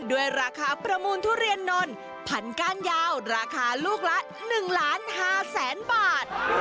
ด้วยราคาประมูลทุเรียนนนพันก้านยาวราคาลูกละ๑๕๐๐๐๐บาท